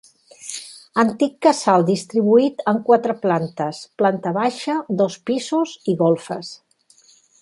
Antic casal distribuït en quatre plantes: planta baixa, dos pisos i golfes.